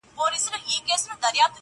تر هر بیته مي راځې بیرته پناه سې!